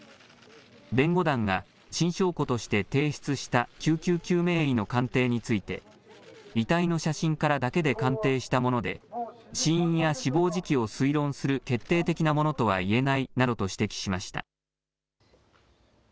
弁護団が新証拠として提出した救急救命医の鑑定について遺体の写真からだけで鑑定したもので死因や死亡時期を推論する決定的なものとは言えないなどと指摘しました。